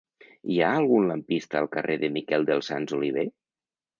Hi ha algun lampista al carrer de Miquel dels Sants Oliver?